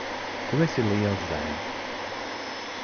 Tu esi liels zēns.